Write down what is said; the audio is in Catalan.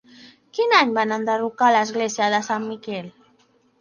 Quin any van enderrocar l'església de Sant Miquel?